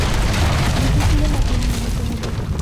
জুতো খুলে হাতে নিয়ে নিতে হবে।